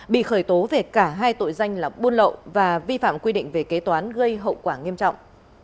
bị khởi tố về cả hai tội danh là buôn lậu và vi phạm quy định về kế toán gây hậu quả nghiêm trọng